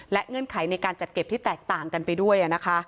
เงื่อนไขในการจัดเก็บที่แตกต่างกันไปด้วย